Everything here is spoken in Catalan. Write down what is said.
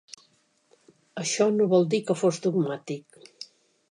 Això no vol dir que fos dogmàtic.